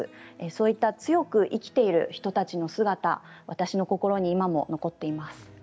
そういった強く生きている人たちの姿私の心に今も残っています。